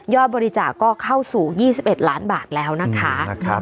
บริจาคก็เข้าสู่๒๑ล้านบาทแล้วนะคะ